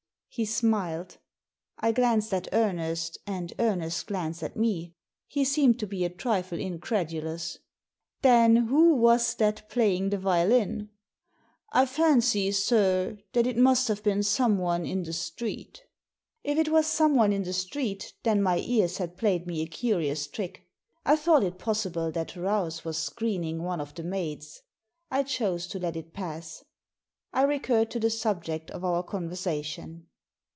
He smiled. I glanced at Ernest, and Ernest glanced at me. He seemed to be a trifle incredulous. " Then who was that playing the violin ?"I fancy, sir, that it must have been someone in the street" If it was someone in the street then my ears had played me a curious trick. I thought it possible that Rouse was screening one of the maids. I chose to let it pass. I recurred to the subject of our con versation.